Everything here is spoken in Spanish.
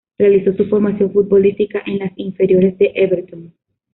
Realizó su formación futbolística en las inferiores de Everton.